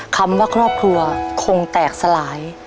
คำว่าครอบครัวคงแตกสลาย